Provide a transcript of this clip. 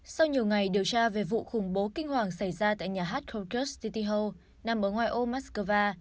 sau nhiều ngày điều tra về vụ khủng bố kinh hoàng xảy ra tại nhà harkovsk city hall nằm ở ngoài ô moskova